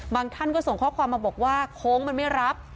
ท่านก็ส่งข้อความมาบอกว่าโค้งมันไม่รับ